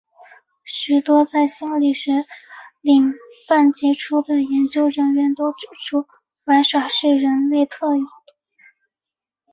许多在心理学领域杰出的研究人员都指出玩耍是人类特有的。